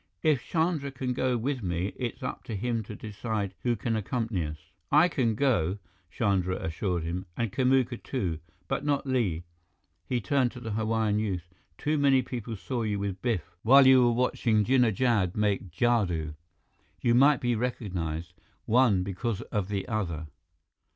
If Chandra can go with me, it is up to him to decide who can accompany us." "I can go," Chandra assured him, "and Kamuka, too. But not Li." He turned to the Hawaiian youth. "Too many people saw you with Biff while you were watching Jinnah Jad make jadoo. You might be recognized, one because of the other."